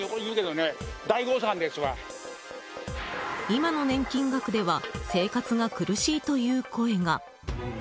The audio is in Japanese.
今の年金額では生活が苦しいという声が。